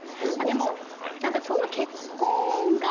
でも何かちょうど。